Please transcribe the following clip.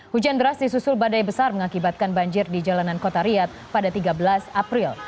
hujan deras disusul badai besar mengakibatkan banjir di jalanan kota riyad pada tiga belas april